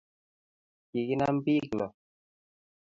kikinam pik loo